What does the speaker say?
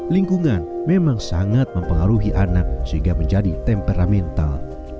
lingkungan memang sangat mempengaruhi anak sehingga menjadi temperamental